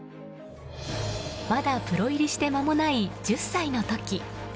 まだプロ入りして間もない１０歳の時。